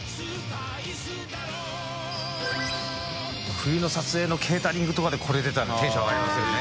冬の撮影のケータリングとかで海貊个燭テンション上がりますよね。